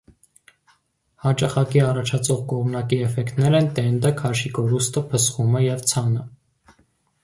Հաճախակի առաջացող կողմնակի էֆեկտներ են տենդը, քաշի կորուստը, փսխումը և ցանը։